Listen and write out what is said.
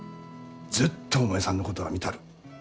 ずっとお前さんのことは見たる。